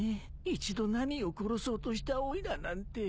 一度ナミを殺そうとしたおいらなんて。